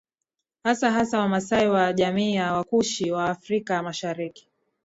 Hasa hasa wamasai wa jamii ya Wakushi wa Afrika Mashariki